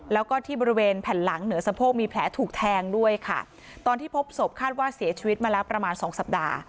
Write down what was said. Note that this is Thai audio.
แล้วก็ที่บริเวณแผ่นหลังเหนือสะโพกมีแผลถูกแทงด้วยค่ะตอนที่พบศพคาดว่าเสียชีวิตมาแล้วประมาณสองสัปดาห์